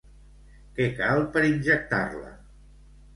Què cal per injectar-la?